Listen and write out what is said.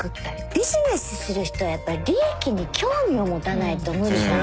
ビジネスする人はやっぱり利益に興味を持たないと無理じゃん。